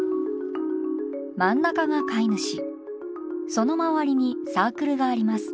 真ん中が飼い主その周りにサークルがあります。